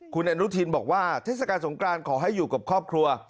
คุณอนุทินบอกว่าเทศกาลสงกรานขอให้อยู่กับครอบครัว